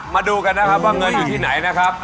มาดูกันนะครับว่าเงินอยู่ที่ไหนนะครับ